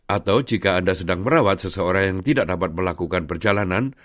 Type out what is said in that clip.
atau jika anda sedang merawat seseorang yang tidak dapat melakukan perjalanan